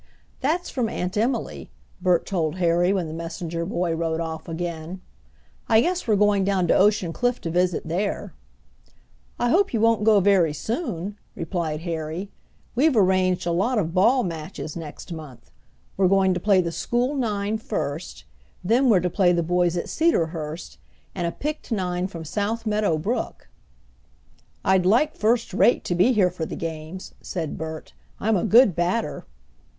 "That's from Aunt Emily," Bert told Harry when the messenger boy rode off again. "I guess we're going down to Ocean Cliff to visit there." "I hope you won't go very soon," replied Harry. "We've arranged a lot of ball matches next month. We're going to play the school nine first, then we're to play the boys at Cedarhurst and a picked nine from South Meadow Brook." "I'd like first rate to be here for the games," said Bert. "I'm a good batter."